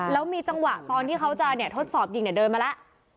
แล้วมีจังหวะตอนที่เขาจะทดสอบยิงเนี่ยเดินมาแล้ว